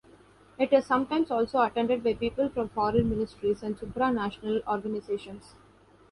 It is sometimes also attended by people from foreign ministries and supranational organisations.